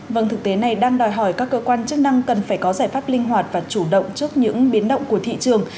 vâng thực tế này đang đòi hỏi các cơ quan chức năng cần phải có giải pháp linh hoạt và chủ động trước những biến động của thị trường